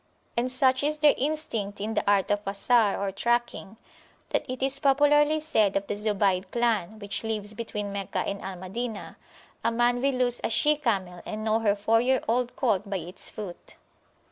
And such is their instinct in the art of asar, or tracking, that it is popularly said of the Zubayd clan, which lives between Meccah and Al Madinah, a man will lose a she camel and know her four year old colt by its foot.